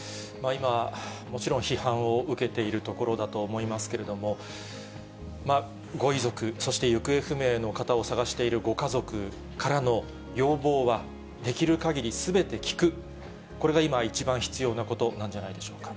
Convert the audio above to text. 今、もちろん批判を受けているところだと思いますけれども、ご遺族、そして行方不明の方を捜しているご家族からの要望は、できるかぎりすべて聞く、これが今、一番必要なことなんじゃないでしょうか。